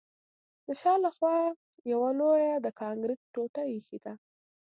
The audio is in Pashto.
د شا له خوا یوه لویه د کانکریټ ټوټه ایښې ده